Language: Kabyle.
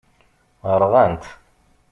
Rɣant.